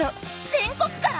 全国から？